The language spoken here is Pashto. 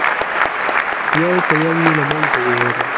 یو په یو یې له منځه یووړل.